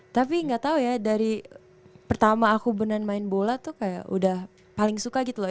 tapi nggak tahu ya dari pertama aku beneran main bola tuh kayak udah paling suka gitu loh